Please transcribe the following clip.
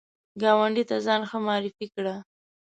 ګاونډي ته ځان ښه معرفي کړه